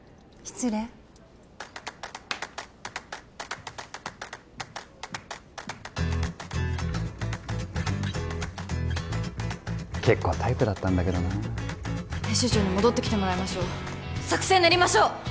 失礼結構タイプだったんだけどな編集長に戻ってきてもらいましょう作戦練りましょう！